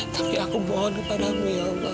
tapi aku mohon padamu